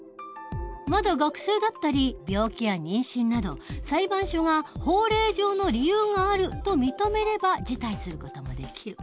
まだ学生だったり病気や妊娠など裁判所が法令上の理由があると認めれば辞退する事もできる。